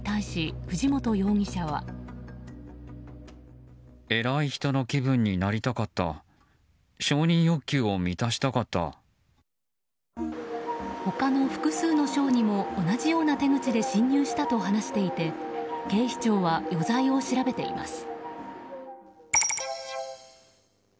他の複数の省にも同じような手口で侵入したと話していて、警視庁は余罪を調べています。